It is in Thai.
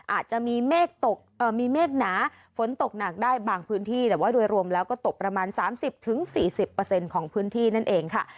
อาจจะมีเมฆหนาฝนตกหนักได้บางพื้นที่แต่ว่าโดยรวมแล้วก็ตกประมาณ๓๐๔๐ของพื้นที่นั่นเองค่ะ